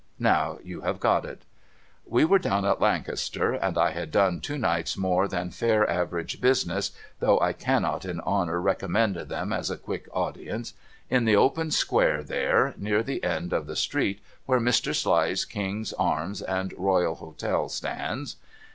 Now you have got it. We were down at Lancaster, and I had done two nights more than fair average business (though I cannot in honour recommend them as a quick audience) in the open square there, near the end of the street where Mr. Sly's King's Arms and Royal Hotel stands.